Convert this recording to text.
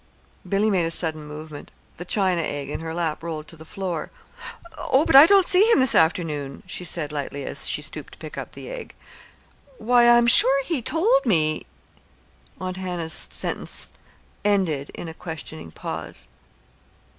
Billy made a sudden movement. The china egg in her lap rolled to the floor. "Oh, but I don't see him this afternoon," she said lightly, as she stooped to pick up the egg. "Why, I'm sure he told me " Aunt Hannah's sentence ended in a questioning pause.